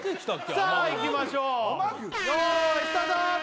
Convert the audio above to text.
さあいきましょう用意スタート！